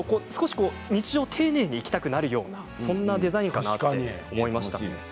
日常を丁寧に生きたくなるようなそんなデザインかなと思いました。